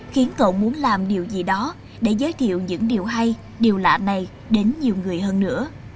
khiến cậu muốn làm điều gì đó để giới thiệu những điều hay điều lạ này đến nhiều người hơn nữa